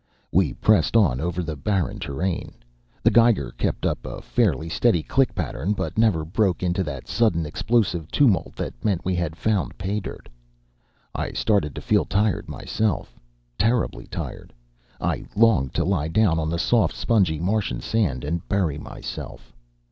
We pressed on over the barren terrain. The geiger kept up a fairly steady click pattern, but never broke into that sudden explosive tumult that meant we had found pay dirt. I started to feel tired myself, terribly tired. I longed to lie down on the soft, spongy Martian sand and bury myself.